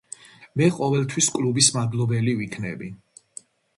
მე ყოველთვის კლუბის მადლობელი ვიქნები.